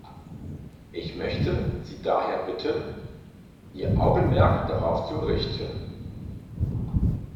Ich möchte Sie daher bitten, Ihr Augenmerk darauf zu richten.